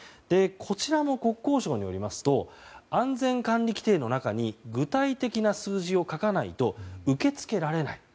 こちらも国交省によりますと安全管理規程の中に具体的な数字を書かないと受け付けられない。